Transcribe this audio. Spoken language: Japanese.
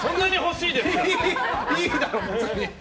いいだろ、別に！